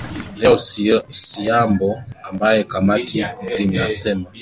leo siambo ambaye kamati linasema